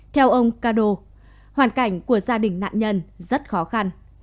theo ông kado hoàn cảnh của gia đình nạn nhân rất khó khăn